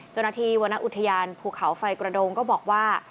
จนทีวันนักอุทยานภูเขาไฟกระดงก็บอกว่า